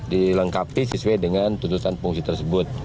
dilengkapi sesuai dengan tutusan fungsi tersebut